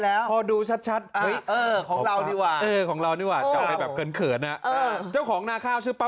ถ้าไม่ใช่จราเข้ของฟาร์มตัวเองก็ควรปล่อยให้เจ้าหน้าที่ดำเนินการหรือเปล่า